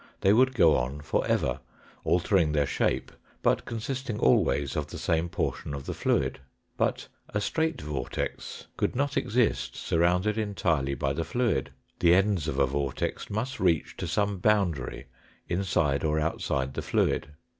They would go on for ever, altering their shape, but consisting always of the same portion of the fluid. But a straight vortex could not exist surrounded entirely by the fluid. The ends of a vortex must reach to some boundary inside or outside the fluid.